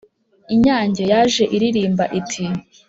Inyange yaje iririmba iti